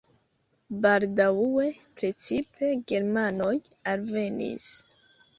Baldaŭe precipe germanoj alvenis.